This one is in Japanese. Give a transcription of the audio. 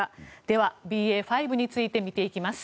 では、ＢＡ．５について見ていきます。